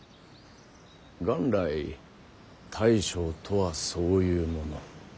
元来大将とはそういうもの。